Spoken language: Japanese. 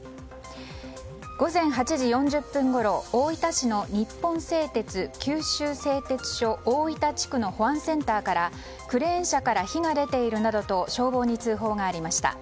午前８時４０分ごろ大分市の日本製鉄九州製鉄所大分地区の保安センターからクレーン車から火が出ているなどと消防に通報がありました。